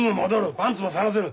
パンツも探せる。